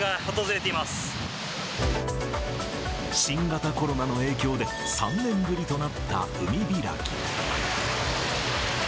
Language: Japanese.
新型コロナの影響で、３年ぶりとなった海開き。